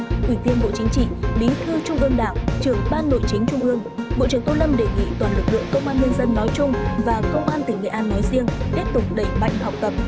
giữa bộ công an việt nam nói chung và công an tỉnh nghệ an nói riêng tiếp tục đẩy bạch học tập